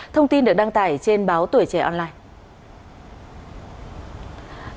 thông tin được đăng tải trên báo tuổi trẻ online